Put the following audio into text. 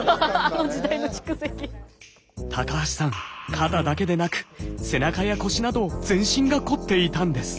肩だけでなく背中や腰など全身がこっていたんです。